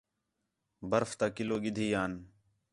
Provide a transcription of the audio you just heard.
برف تا کِلو گِھدی آن